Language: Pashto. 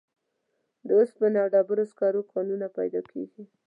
د اوسپنې او ډبرو سکرو کانونه پیدا کیږي.